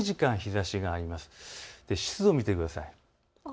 そして湿度を見てください。